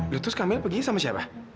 ya terus kamila pergi sama siapa